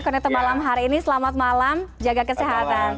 konektor malam hari ini selamat malam jaga kesehatan